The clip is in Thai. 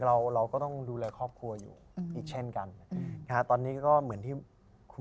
เราเราก็ต้องดูแลครอบครัวอยู่อีกเช่นกันนะครับตอนนี้ก็เหมือนที่ครู